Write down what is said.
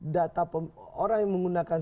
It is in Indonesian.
data orang yang menggunakan